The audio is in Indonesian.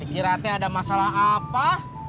dikiratnya ada masalah apa